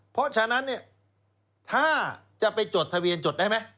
เพราะฉะนั้นเนี่ยถ้าจะไปจดทะเบียนจดได้ไหม